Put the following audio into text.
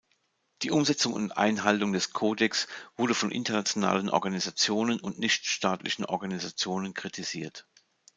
Die Umsetzung und Einhaltung des Kodex wurde von internationalen Organisationen und nichtstaatlichen Organisationen kritisiert.